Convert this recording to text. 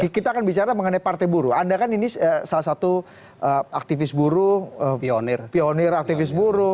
kita akan bicara mengenai partai buruh anda kan ini salah satu aktivis buruh pionir aktivis buruh